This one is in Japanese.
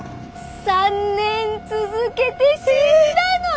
３年続けて死んだのよ。